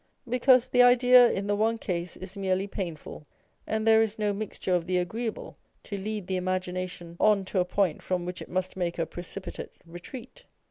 Because the idea in the one case is merely painful, and there is no mixture of the agreeable to lead the imagination on to a point from which it must make a precipitate retreat.